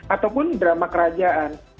ataupun drama kerajaan